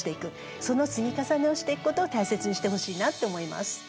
その積み重ねをしていくことを大切にしてほしいなって思います。